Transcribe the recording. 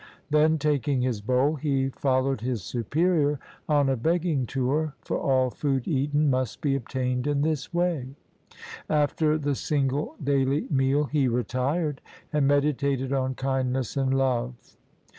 Then, taking his bowl, he followed his superior on a begging tour, for all food eaten must be obtained in this way. After the single daily meal, he retired and meditated on kindness and love.